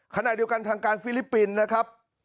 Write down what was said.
ขณะเดียวกันทางการฟิลิปปินส์นะครับ